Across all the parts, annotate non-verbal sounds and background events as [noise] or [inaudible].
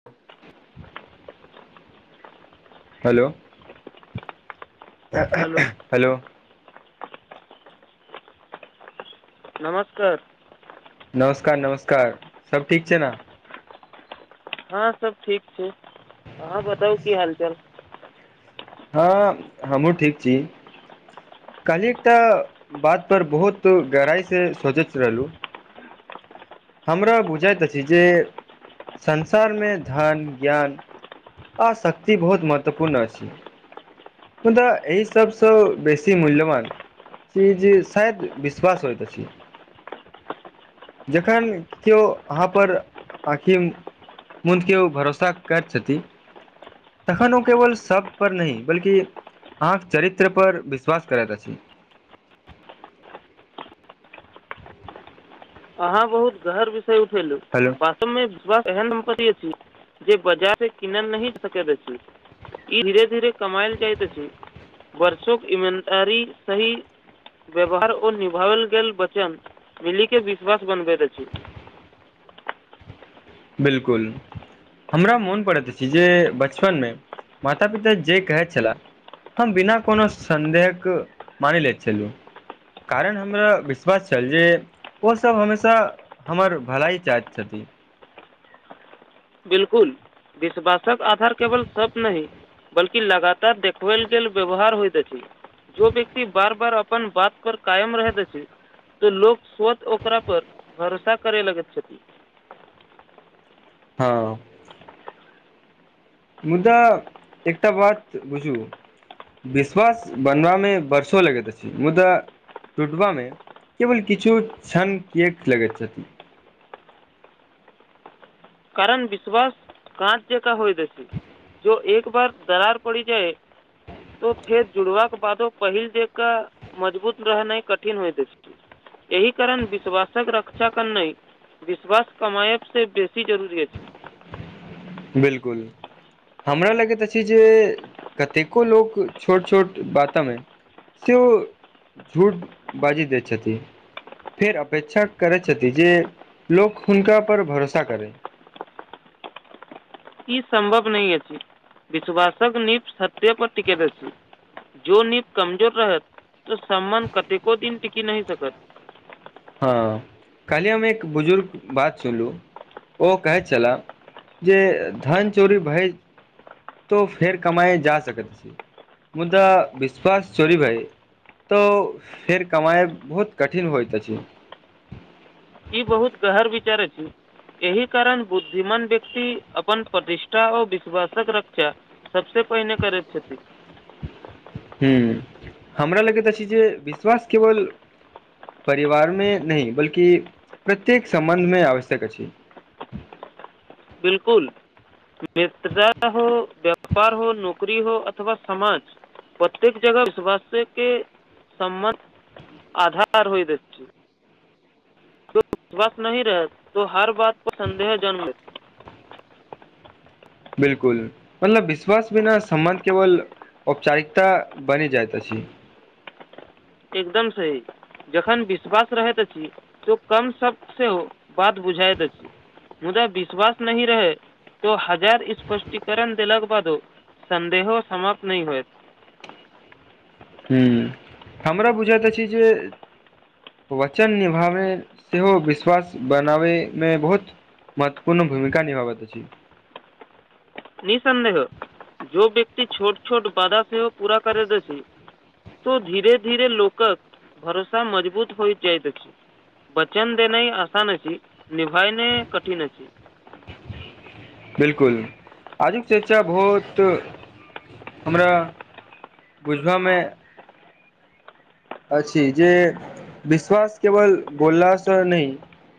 [inaudible] hello hello hello नमस्कार नमस्कार नमस्कार सब ठीक छै ने हँ सब ठीक छै आहाँ बताउ की हाल चाल हँ हमहुँ ठीक छी काल्हि एकटा बात पर बहुत गहराइ से सोचैत रहलहुँ हमरा बुझैत अछि जे संसार मे धन ज्ञान आ शक्ति बहुत महत्वपूर्ण अछि मुदा एहि सब सँ बेसी मूल्यवान छी जे शायद विश्वास होइत अछि अखन केओ अहाँ पर आखिम मुंद के ओ भरोसा कर छथिन तखन ओ केवल सब पर नहि बल्कि अहाँके चरित्र पर विश्वास करैत अछि अहाँ बहुत गहर विषय उठेलू हेलो वास्तवमे विश्वास एहन सम्पति अछि जे बाजार किनल नहि सकैत अछि ई धीरे धीे कमाइल जाइत अछि वर्षोक इमानदारी सहि व्यवहार ओ निभाओल गेल वचन मिली के विश्वास बनबैत अछि बिलकुल हमरा मोन पड़ैत अछि जे बचपन मे माता पिता जे कहैत छलाह हँ बिना कोनो संदेहक मानि लैत छलहुँ कारण हमरा विश्वास छल जे ओसभ हमेशा हमर भलाइ चाहैत छथिन बिल्कुल विश्वासक आधार केवल सप नहि बल्कि लगातार देखबैल गेल व्यवहार होयइत अछि जो व्यक्ति बार बार अपन बात पर कायम रहैत अछि त लोक स्वत ओकरा पर भरोसा करे लगेत छथि हँ मुदा एकटा बात बुझू विश्वास बनबामे वर्षो लगैत अछि मुदा टूटबामे केवल किछु क्षण कियक लगैत छथिन कारण विश्वास काँच जका होइत अछि जो एक बार दरार पड़ी जाइ तो फेर जुड़बाका बादो पहिल जंका मजबूत रहनाइ कठिन होइत अछि एहि कारण विश्वासक रक्षा करनाय विश्वास कमाायब से बेस ई जरूरी अछी बिल्कुल हमरा लगैत अछि जे कतेको लोक छोट छोट भाषा मे से ओ झूठ बाजी दैत छथि फेर अपेक्षा करै छथि जे लोक हुनका पर भरोसा करै इ सम्भव नहि अछि विश्वासक नीव सत्य पर टिकेट अछि जो नीव कमजोर रहत त सम्बन्ध कतेको दिन टिकी नहि सकत हँ खाली हममे एक बुजुर्ग बात सुनलू ओ कहैत छलाह जे धन चोरी भय तो फेर कमाए जा सकै मुद्दा विश्वास चोरी भइ तऽ फेर कमाइ बहुत कठिन होइत अछि ई बहुत गहर विचार अछी एहि कारण बुद्धिमान व्यक्ति अपन प्रतिष्ठा आऔर विश्वासक रक्षा सबसे पहिने करैत छथिन हुँ हमरा लगैत अछि जे विश्वास केवल परिवार मे नहि बल्कि प्रत्येक सम्बन्ध मे आवश्यक अछि बिल्कुल मेित्रता हो व्यापार हो नौकरी हो अथवा समाज प्रत्येक जगह विश्वास के सम्मत आधार होइत अछि तो विश्वास नहि रहत तो हर बात पर सन्देह जन्म लेत बिल्कुल मतलब विश्वास बिना सम्बन्ध केवल औपचारिकता बनि जाइत अछि एकदम सही जखन विश्वास रहैत अछि तो कम सब सेहो बात बुझाइत अछि मुदा विश्वास नहि रहै तो हजार स्पष्टीकरण देलाक बादो सन्देह समाप्त नहि होएत हूँ हमरा बुझैत अछि जे वचन निभाबै सेहो विश्वास बनाबैमे बहुत महत्वपूर्ण भूमिका निभाबैत अछी निःसन्देह जो व्यक्ति छोट छोट बधा सेहो पूरा करैत अछि तऽ धीरे धीेरे लोकक भरोसा मजबूत हो जाइत अछि वचन देनाय आसान अछि निभायने कठिन अछि बिल्कुल आजुक चर्चा बहुत हमरा बुझबामे अछि जे विश्वास केवल बोलला स नहि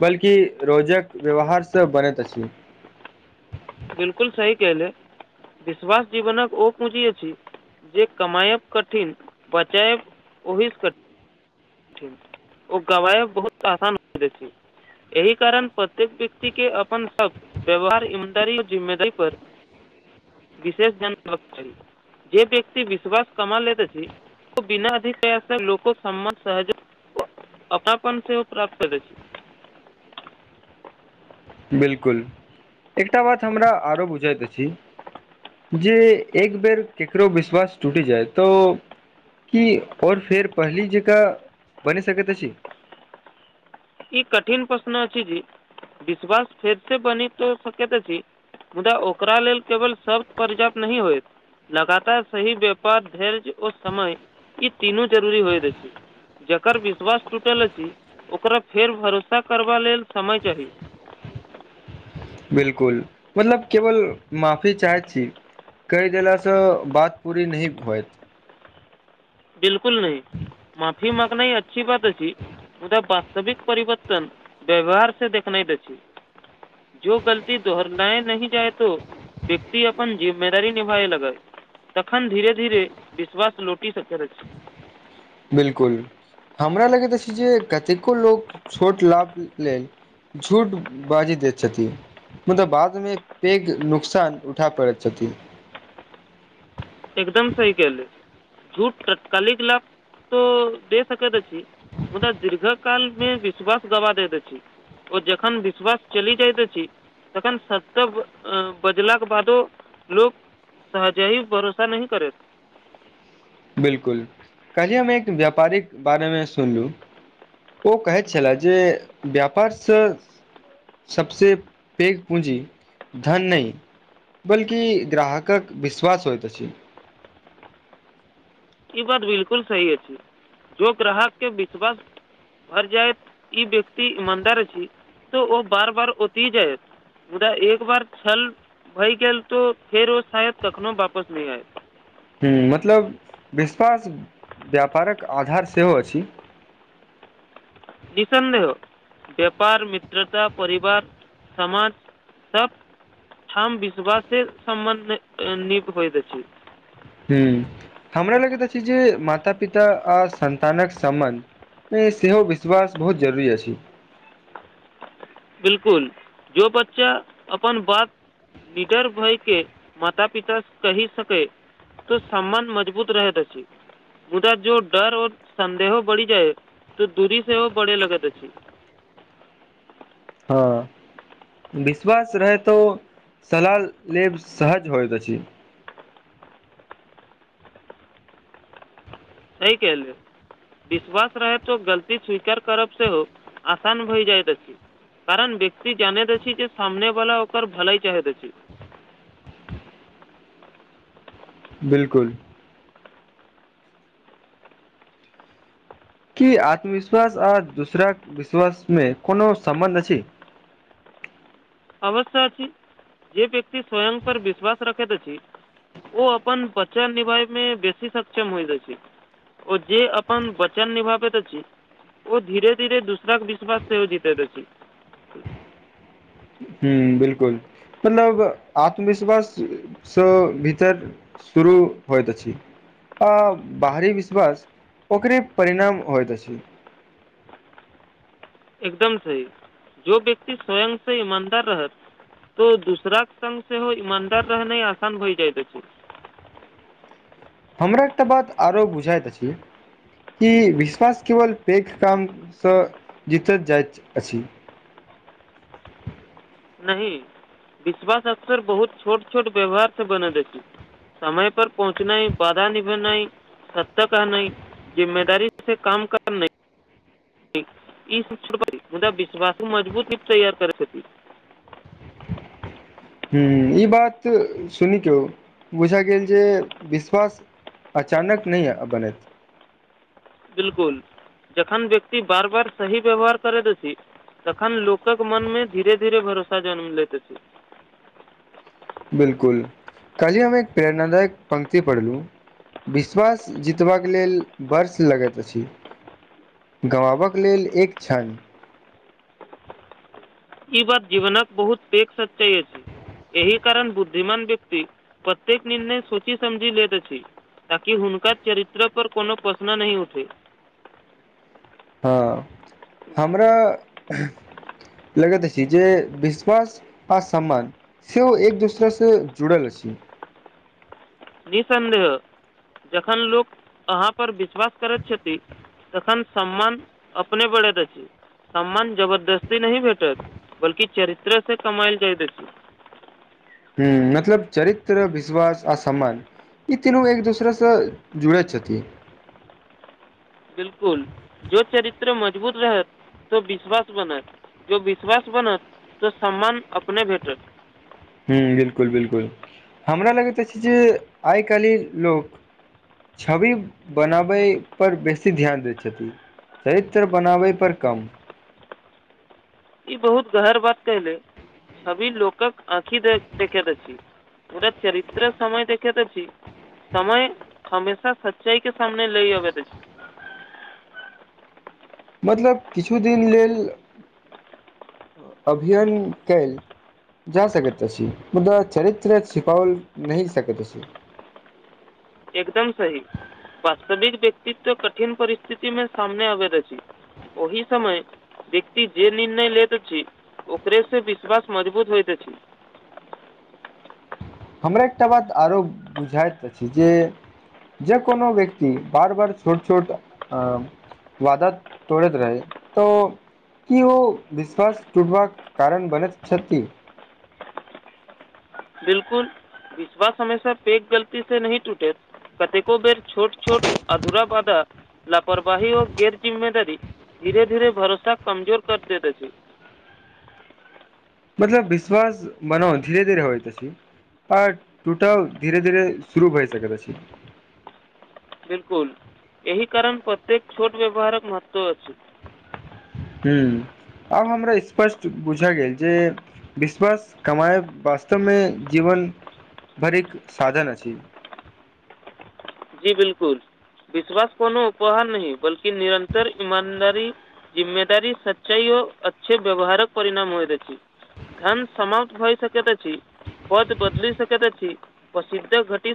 बल्कि रोजक व्यवहारसँ बनैत अछि बिलकुल सही केहली विश्वास जीवनक ओ पीढ़ी अछि जे कमायब कठिन बचायब ओहि कठिन ठीक ओ गवाइ बहुत आसान होै छै एहि कारण प्रत्येक व्यक्ति के अपन हक व्यवहार ईमानदारी जिममेदारी पर विशेष ध्यान दे चाही जे व्यक्त विश्वास कमा लेैत छै ओ बिना अध प्रयास लोक समत सहज अपनापन सेहो प्राप्त करैत छी बिलकुल एकटा बात हमरा आरो बुझैत अछि जे एक बेर केकरो विश्वास टूटि जाय तऽ क आओर फेर पहली जकाँ बनि सकैत अछि ईी कठिन प्रश्न अ जी विश्वास फेर से बनी त शकैत अछि मुदा ओकरा लेल केवल शब्द पर्याप्त नहि होयत लगातार सी व्यापार धैर्य और समय ई तीनू जरूरी होय रह छै जकर विश्वास टूटल अछि ओकरा फेर भरोसा करबा लेल समय चाही बिलकुल मतलब केवल माफी चाहै छी क देलासँ बात पूरी नहि होत बिलकुल नहि माफी मगना ह अच्छी बात अी उदा वास्तविक परिवर्तन व्यवहार से देखना द छै जो गलती दोहरनाए न जाए तो व्यकति अपन जिम्मेवारी निभे लगै तखन धीरे धीरे विश्वास लोटि सकैत अछि बिलकुल हमरा लगैत अछि जे कतेको लोक छोट लाभ लेल झूठ बाजि दैत छथि मतलब बादमे पैघ नुकसान उठा पड़ैत छथिन एकदम सही कले झूठ तत्कालिक लाभ तो दे सकैत छी मुदा दीर्घ कालमे विश्वास गवा दैत अछि ओ जखन विश्वास चलि जायत अछि तखन सत्त बजलाक बादो लोक सहज भरोसा सा नहि करैत बिलकुल कहलएमे एक व्यापारिक बारेमे सुनलू ओ कहैत छला जे व्यापारसँ सबसँ पैघ पूँजी धन नहि बल्कि ग्राहकक विश्वास होइत अछि ई बात बिलकुल सही अछि जो ग्राहक के विश्वास भर जायत ई व्यक्ति ईमानदार अछि तऽ ओ बार बार ओत ही जायत मुदा एक बार छल भय गेल तो फेर ओ शायद कखनो वापस नहि आयत ह मतलब विश्वास व्यापारक आधार सेहो अछि निःसन्देह व्यापार मित्रता परिवार समाज सब हम विश्वासे सम्बन्ध नीक होइत अछि ह हमरा लगैत अछि जे माता पिता आ सन्तानक सम्बन्ध मे सेहो विश्वास बहुत जरूरी अछि बिलकुल जो बच्चा अपन बात निडर भय के माता पिता सँ कहि सकै तऽ सम्मान मजबूत रहैत अछि मुदा जो डर और संदेहों बढ़ी जाय तो दूरी सेहो बढ़े लगत अछि हँ विश्वास रहै तऽ सलाह लेब सहज होइत अछि सही कहलु विश्वास रहे तो गलती स्वीकार करब सेहो आसान भय जाइत अछि कारण व्यक्ति जानैत अछि जे सामने वाला ओकर भलाइ चाहैत अछि बिलकुल की आत्मविश्वास आ दूसराक विश्वासमे कोनो सम्बन्ध अछि अवश्य अछि जे व्यक्ति स्वेंम पर विश्वास रखैत अछि ओ अपन वचन निभाय मे बेसी सक्षम होइत अछि ओ जे अपन वचन निभाबैत अछि ओ धीरे धीरे दूसरा के विश्वास सेहो जितैत अछि हु बिलकुल मतलब आत्मविश्वास सँ भीतर शुरू होइत अछि आ बाहरी विश्वास ओकरे परिणाम होइत अछि एकदम सही जो व्यक्ति स्वयं से ईमानदार रहत तो दूसराक संग सेहो ईमानदार रहनाइ आसान भइ जाइत अछि हमरा एकटा बात आरो बुझाइत अछि कि विश्वास केवल पैघ कामसँ जितैत जाइत अछि नहि विश्वास अक्सर बहुत छोट छोट व्यवहार सँ बनैत अछि समय पर पहुँचनाइ वादा निभेनाइ सत तक आ नहि जिम्मेदारी से काम करनाइ ई शिक्ष [unintelligible] मुदा विश्वास मजबूत रीप तैयार करैत छथि ह ई बात सुनिकौ बुझा गेल जे विश्वास अचानक नहि यऽ बनैत बिलकुल जखन व्यक्ति बार बार सही व्यवहार करैत अछि तखन लोकक मन मे धीरे धीरे भरोसा जन्म लैत अछि बिलकुल काल्हि हम एक प्रेरणादायक पंक्ति पढ़लू विश्वास जितबाक लेल वर्ष लगैत अछि गवाबक लेल एक क्षण ई बात जीवनक बहुत पैघ सच्चाइ अछि एहि कारण बुद्धिमान व्यक्ति प्रत्येक निर्णय सोची समझी लैत अछि ताकि हुनका चरित्र पर कोनो प्रश्न नहि उठे हँ हमरा लगैत अछि जे विश्वास आ सम्मान सेहो एक दूसरा से जुड़ल अछि निसन्देह जखन लोक अहाँ पर विश्वास करैत छथि तखन सम्मान अपने बढ़ैत अछि सम्मान जबरदस्ती नहि भेटत बल्कि चरित्र से कमायल जाइत अछि हु मतलब चरित्र विश्वास आ सम्मान ई तीनू एक दोसरासँ जुड़ैत छथि बिलकुल जो चरित्र मजबूत रहत तो विश्वास बनत जो विश्वास बनत तऽ सम्मान अपने भेटत हु बिलकुल बिलकुल हमरा लगैत अछि जे आइ काल्हि लोक छवि बनाबै पर बेसी ध्यान दैय छथि चरित्र बनाबै पर कम ई बहुत गहर बात के लेल छवि लोकक आँखि दे देखेत अछि पुरे चरित्र समय देखैत अछि समय हमेशा सच्चाई के सामने लय अबैत अछि मतलब किछु दिन लेल अभियन कैल जा सकैत अछि मुदा चरित्र छिपओल नहि सकैत अछि एकदम सही वास्तविक व्यक्तित्व कठिन परिस्थिति मे सामने आबैत अछि ओहि समय व्यक्ति जे निर्णय लेत अछि ओकरे से विश्वास मजबूत होइत अछि हमरा एकटा बात आरो बुझाइत अछि जे जब कोनो व्यक्ति बार बार छोट छोट अ वादा तोड़ैत रहै तो की ओ विश्वास टूटबाक कारण बनैत छथि बिलकुल विश्वास हमेशा पैघ गलती से नहि टूटेट कतेको बेर छोट छोट अधूरा बधा लापरवाही ओ गैर जिम्मेदारी धीरे धीरे भरोसा कमजोर कर दैत अछि मतलब विश्वास मनो धीरे धीरे होइ छै आ टूटल धीरे धीरे शुरू भए सकैत अछि बिलकुल एहि कारण प्रत्येक छोट व्यवहारक महत्व अछि ह्म आब हमरा स्पष्ट बुझा गेल जे विश्वास कमाएब वास्तवमे जीवन भरिक साधन अछि जी बिलकुल विश्वास कोनो उपहार नहि बल्कि निरन्तर ईमानदारी जिम्मेदारी सच्चाइ हो अच्छे व्यवहारक परिणाम होइत अछि धन समाप्त भए सकैत अछि पद बदलि सकैत अछि प्रसिद्ध घटी